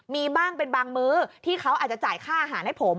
มีบ้างเป็นบางมื้อที่เขาอาจจะจ่ายค่าอาหารให้ผม